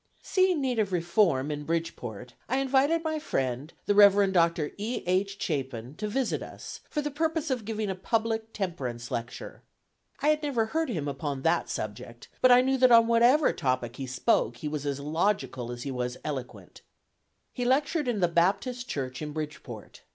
Seeing need of reform in Bridgeport, I invited my friend, the Reverend Doctor E. H. Chapin, to visit us, for the purpose of giving a public temperance lecture. I had never heard him on that subject, but I knew that on whatever topic he spoke, he was as logical as he was eloquent. He lectured in the Baptist Church in Bridgeport.